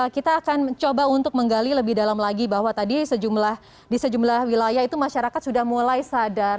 kita akan coba untuk menggali lebih dalam lagi bahwa tadi di sejumlah wilayah itu masyarakat sudah mulai sadar